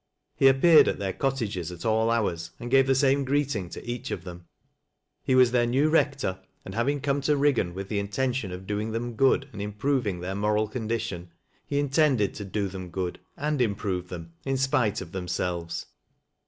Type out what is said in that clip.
He appeared at their cottages at all hours, and gave the same greeting to each of them. rie was their new rector, and having come to Kiggar with the intention of doing them good, and improving theii moral condition, he intended to do them good, and im [irove them, in spite of themselves.